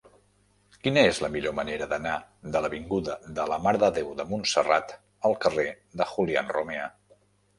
Quina és la millor manera d'anar de l'avinguda de la Mare de Déu de Montserrat al carrer de Julián Romea?